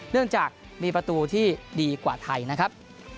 เนื่องจากมีประตูที่ดีกว่าไทยนะครับ